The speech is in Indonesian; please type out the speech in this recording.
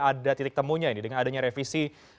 ada titik temunya ini dengan adanya revisi